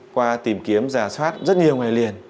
qua tìm kiếm giả soát rất nhiều ngày liền